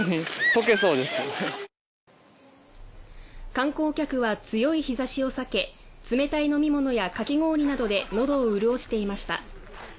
観光客は強い日差しを避け冷たい飲み物やかき氷などで喉を潤していました。